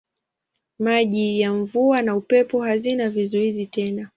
Maji ya mvua na upepo hazina vizuizi tena.